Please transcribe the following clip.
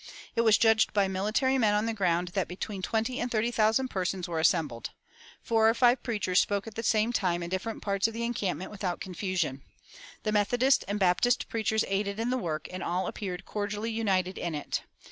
It was judged by military men on the ground that between twenty and thirty thousand persons were assembled. Four or five preachers spoke at the same time in different parts of the encampment without confusion. The Methodist and Baptist preachers aided in the work, and all appeared cordially united in it.